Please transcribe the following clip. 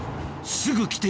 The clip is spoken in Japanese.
「すぐ来て！